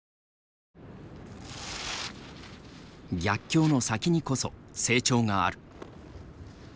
逆境の先にこそ成長がある。